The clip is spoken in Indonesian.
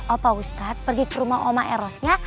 atau ustadz pergi ke rumah oma erosnya